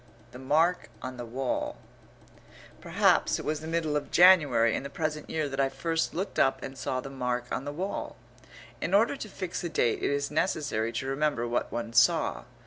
THE MARK ON THE WALL Perhaps it was the middle of January in the present year that I first looked up and saw the mark on the wall. In order to fix a date it is necessary to remember what one saw.